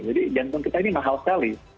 jadi jantung kita ini mahal sekali